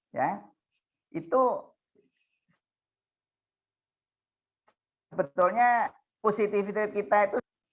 ya itu sebetulnya positivity rate kita itu